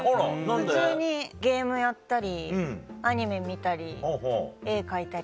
普通にゲームやったりアニメ見たり絵描いたり。